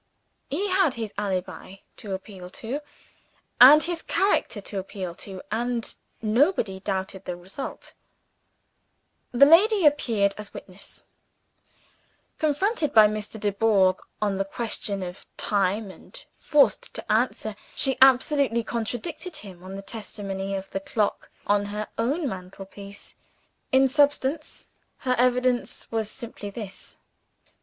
He had his "alibi" to appeal to, and his character to appeal to; and nobody doubted the result. The lady appeared as witness. Confronted with Mr. Dubourg on the question of time, and forced to answer, she absolutely contradicted him, on the testimony of the clock on her own mantelpiece. In substance, her evidence was simply this.